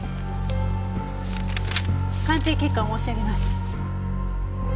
鑑定結果を申し上げます。